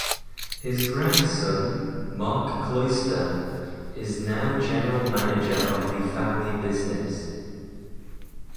His grandson, Mark Kloster, is now general manager of the family business.